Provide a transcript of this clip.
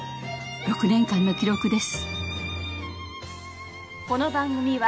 ６年間の記録です。